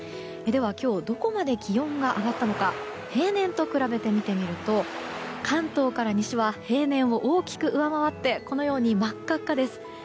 では、今日どこまで気温が上がったのか平年と比べて見てみると関東から西は平年を大きく上回ってこのようにまっかっかです。